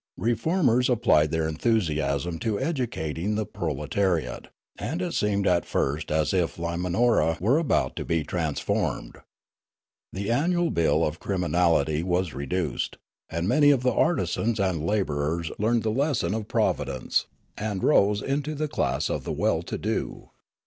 Reformers applied their enthusiasm to educating the proletariat, and it seemed at first as if lyimanora were about to be transformed. The annual bill of criminality was re duced, and many of the artisans and labourers learned the lesson of providence, and rose into the class of the well to do.